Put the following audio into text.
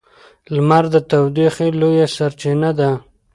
لمر د تودوخې لویه سرچینه ده.